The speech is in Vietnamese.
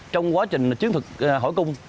trong quá trình chiến thuật hỏi cung